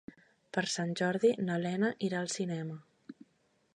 Per Sant Jordi na Lena irà al cinema.